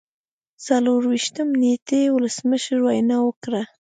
څلور ویشتم نیټې ولسمشر وینا وکړه.